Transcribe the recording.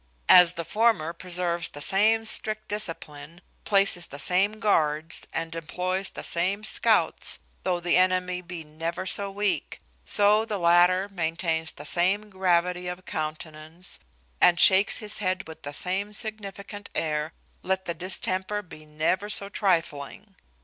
As the former preserves the same strict discipline, places the same guards, and employs the same scouts, though the enemy be never so weak; so the latter maintains the same gravity of countenance, and shakes his head with the same significant air, let the distemper be never so trifling.